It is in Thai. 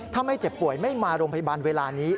ถ้าไม่เจ็บป่วยไม่มาโรงพยาบาลเวลานี้